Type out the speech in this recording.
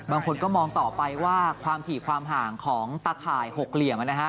บางคนก็มองต่อไปว่าความถี่ความห่างของตาข่าย๖เหลี่ยม